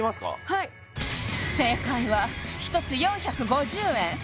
はい正解は１つ４５０円